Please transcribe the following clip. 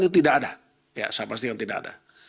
itu tidak ada ya saya pastikan tidak ada